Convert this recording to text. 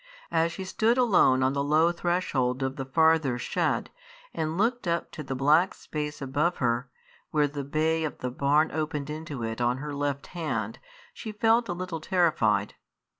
As she stood alone on the low threshold of the farther shed, and looked up to the black space above her, where the bay of the barn opened into it on her left hand, she felt a little terrified.